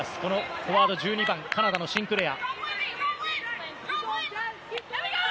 フォワード１２番カナダのシンクレア。